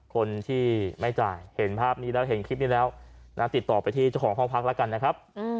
คนที่ไม่จ่ายเห็นภาพนี้แล้วเห็นคลิปนี้แล้วติดต่อไปที่เจ้าของห้องพักแล้วกันนะครับ